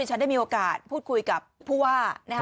ฉันได้มีโอกาสพูดคุยกับผู้ว่านะคะ